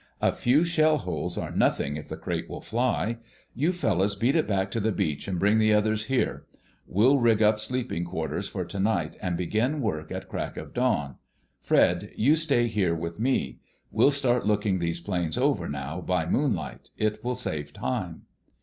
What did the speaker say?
A few shell holes are nothing if the crate will fly. You fellows beat it back to the beach and bring the others here. We'll rig up sleeping quarters for tonight and begin work at crack of dawn.... Fred, you stay here with me. We'll start looking these planes over now, by moonlight. It will save time."